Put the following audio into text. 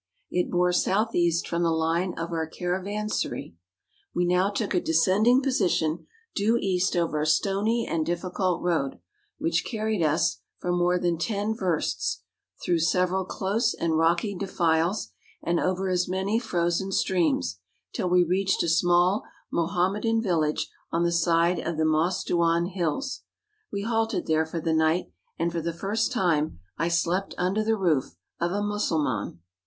It bore south east from the line of our caravansary. We now took a descending position, due east over a stony and difficult road, which carried us, for more than ten versts, through several close and rocky defiles, and over as many frozen streams, till we reached a small Mohametan village on the side of the Mossduan hills. We halted there for the night, and, for the first time, I slept under the roof of a Mussulman.